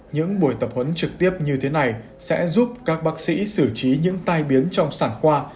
những buổi tập huấn trực tiếp như thế này sẽ giúp các bác sĩ xử trí những tai biến trong sản khoa